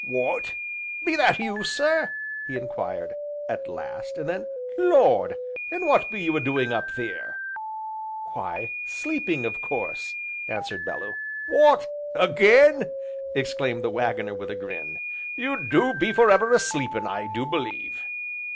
"What, be that you, sir?" he enquired, at last, and then, "Lord! an' what be you a doing of up theer?" "Why, sleeping, of course," answered Bellew. "W'ot again!" exclaimed the Waggoner with a grin, "you do be for ever a sleepin' I do believe!"